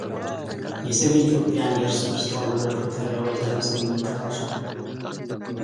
የሰሜን ኢትዮጵያን የእርስ በርስ ጦርነት በፕሪቶሪያው የሰላም ስምምነት ተቋጭቷል